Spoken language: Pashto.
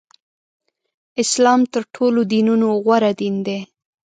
اسلام تر ټولو دینونو غوره دین دی.